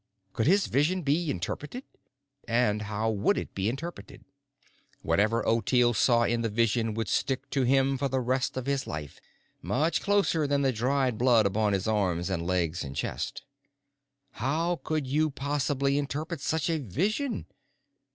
Could his vision be interpreted? And how would it be interpreted? Whatever Ottilie saw in the vision would stick to him for the rest of his life, much closer than the dried blood upon his arms and legs and chest. How could you possibly interpret such a vision?